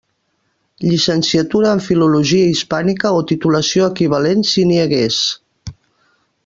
Llicenciatura en Filologia Hispànica, o titulació equivalent si n'hi hagués.